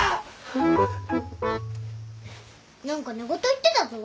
何か寝言言ってたぞ。